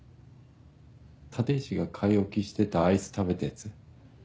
立石が買い置きしてたアイス食べたやつ？